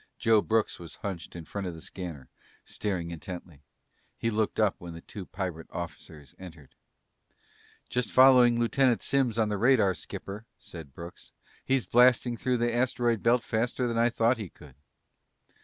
Joe Brooks was hunched in front of the scanner, staring intently. He looked up when the two pirate officers entered. "Just following Lieutenant Simms on the radar, skipper," said Brooks. "He's blasting through the asteroid belt faster than I thought he could."